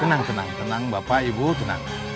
tenang tenang bapak ibu tenang